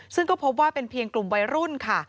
ซึ่งก็พบว่าเป็นเพียงกลุ่มวัยรุ่นค่ะ